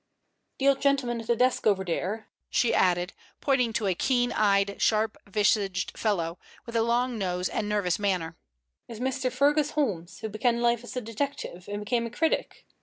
The old gentleman at the desk over there," she added, pointing to a keen eyed, sharp visaged fellow, with a long nose and nervous manner, "is Mr. Fergus Holmes, who began life as a detective, and became a critic.